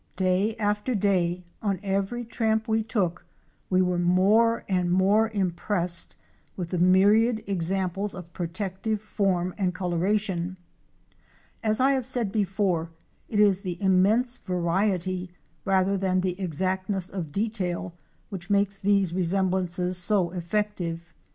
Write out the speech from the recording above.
Day after day, on every tramp we took we were more and more impressed with the myriad examples of protective form and coloration. As J have said before, it is the immense variety rather than the exactness of detail which makes these resemblances so effective.